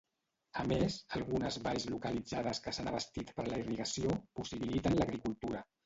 A més, algunes valls localitzades que s'han abastit per la irrigació possibiliten l'agricultura.